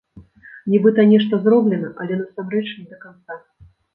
Нібыта нешта зроблена, але насамрэч не да канца.